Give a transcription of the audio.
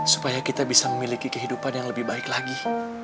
supaya kita bisa memiliki kehidupan yang lebih baik lagi